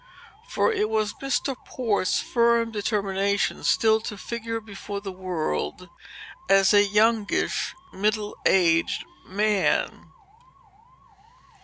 For it was Mr. Port's firm determination still to figure before the world as a youngish, middle aged man.